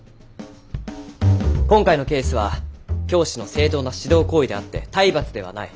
今回のケースは教師の正当な指導行為であって体罰ではない。